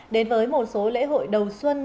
đến với một số lễ hội đầu xuân